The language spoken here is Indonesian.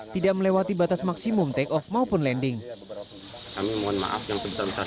tidak melewati batas maksimum take off maupun landing